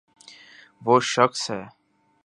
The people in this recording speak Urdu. و ہ شخص ہے۔